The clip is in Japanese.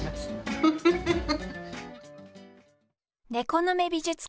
フフフフフ！